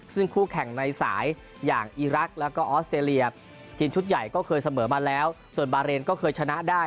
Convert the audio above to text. ซึ่งคู่แข่งในสายอย่างอีรักษ์แล้วก็ออสเตรเลียทีมชุดใหญ่ก็เคยเสมอมาแล้วส่วนบาเรนก็เคยชนะได้